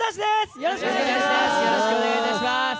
よろしくお願いします。